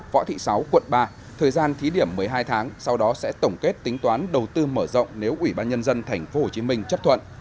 võ thị sáu quận ba thời gian thí điểm một mươi hai tháng sau đó sẽ tổng kết tính toán đầu tư mở rộng nếu quỹ ban nhân dân thành phố hồ chí minh chấp thuận